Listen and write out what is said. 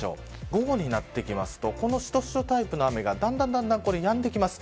午後になってきますとしとしとタイプの雨がだんだんやんできます。